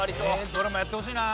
どれもやってほしいな。